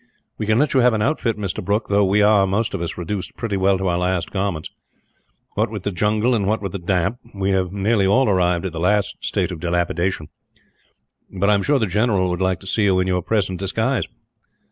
"We can let you have an outfit, Mr. Brooke; though we are, most of us, reduced pretty well to our last garments. What with the jungle and what with the damp, we have nearly all arrived at the last state of dilapidation; but I am sure the general would like to see you in your present disguise."